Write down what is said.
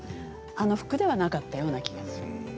あの服ではなかったような気がする。